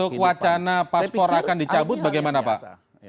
untuk wacana paspor akan dicabut bagaimana pak